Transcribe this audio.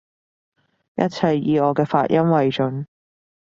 一切以我嘅發音爲準